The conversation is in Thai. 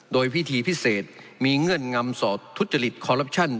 โดยพิธีพิเศษมีเงื่อนงำสอดทุจริตคอลลับชั่น